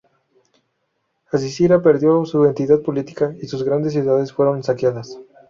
Asiria perdió su entidad política, y sus grandes ciudades fueron saqueadas.